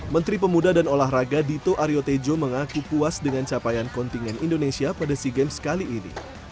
menteri pemuda dan olahraga dito aryo tejo mengaku puas dengan capaian kontingen indonesia pada sea games kali ini